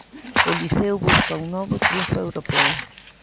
O Liceo busca un novo triunfo europeo.